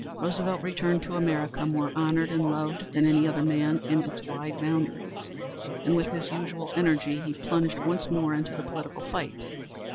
Roosevelt returned to America more honored and loved than any other man in its wide boundaries, and with his usual energy he plunged once more into the political fight.